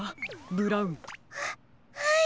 ブラウン。ははい。